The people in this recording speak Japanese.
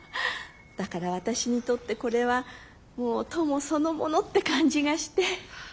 だから私にとってこれはもうトモそのものって感じがして。